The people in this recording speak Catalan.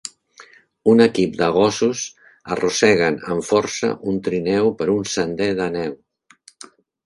Un equip de gossos arrosseguen amb força un trineu per un sender de neu.